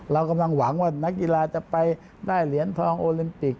เรากำลังหวังว่านักกีฬาจะไปได้เหรียญทองโอลิมปิก